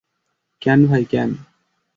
কেন ভাই কেন?